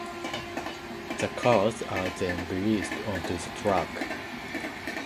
The cars are then released onto the track.